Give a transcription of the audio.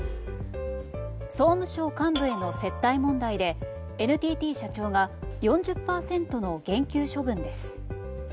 総務省幹部への接待問題でＮＴＴ社長が４０％の減給処分です。